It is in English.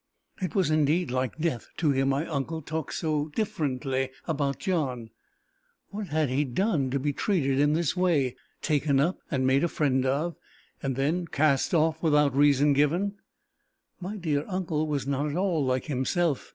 It was indeed like death to hear my uncle talk so differently about John. What had he done to be treated in this way taken up and made a friend of, and then cast off without reason given! My dear uncle was not at all like himself!